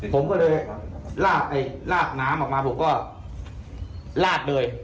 ผมก็เลยลากน้ำออกมาผมก็ลาดเลย